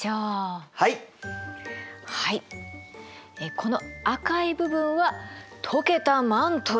この赤い部分は溶けたマントル。